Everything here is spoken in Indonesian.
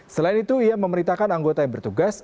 selain itu ia memerintahkan anggota yang bertugas